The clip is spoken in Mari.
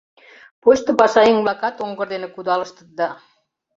Почто пашаеҥ-влакат оҥгыр дене кудалыштыт да...